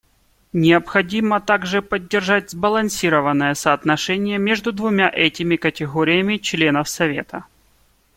Необходимо также поддерживать сбалансированное соотношение между двумя этими категориями членов Совета.